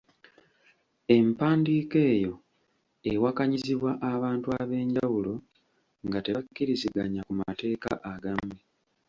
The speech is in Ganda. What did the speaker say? Empandiika eyo ewakanyizibwa abantu ab’enjawulo nga tebakkiriziganya ku mateeka agamu